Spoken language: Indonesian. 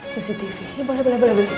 cctv ya boleh boleh boleh